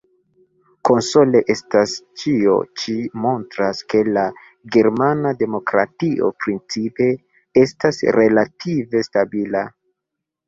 Konsole estas: ĉio ĉi montras, ke la germana demokratio principe estas relative stabila.